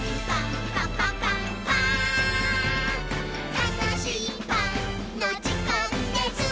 「たのしいパンのじかんです！」